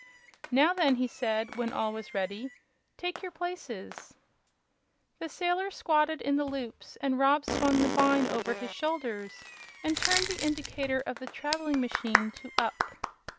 "Now, then," he said, when all was ready, "take your places." The sailors squatted in the loops, and Rob swung the vine over his shoulders and turned the indicator of the traveling machine to "up."